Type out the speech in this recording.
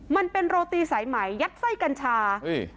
มันเป็นโรตีสายใหม่ยัดไส้กัญชา